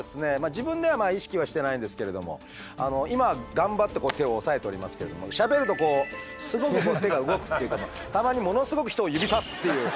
自分では意識はしてないんですけれども今頑張って手を抑えておりますけれどもしゃべるとこうすごく手が動くっていうかたまにものすごく人を指さすっていう。